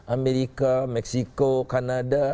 amerika meksiko kanada